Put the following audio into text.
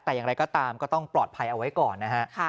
แต่อย่างไรก็ตามก็ต้องปลอดภัยเอาไว้ก่อนนะฮะ